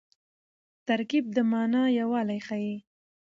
ترکیب د مانا یووالی ښيي.